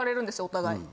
お互い。